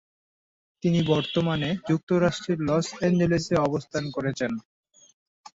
তিনি বর্তমানে যুক্তরাষ্ট্রের লস অ্যাঞ্জেলেসে অবস্থান করছেন।